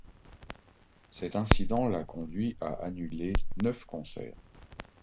Cet incident l'a conduit à annuler neuf concerts.